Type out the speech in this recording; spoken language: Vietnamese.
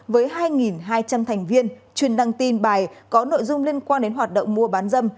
với hai hai trăm linh thành viên truyền đăng tin bài có nội dung liên quan đến hoạt động mua bán dâm